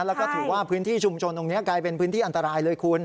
แล้วก็ถือว่าพื้นที่ชุมชนตรงนี้กลายเป็นพื้นที่อันตรายเลยคุณ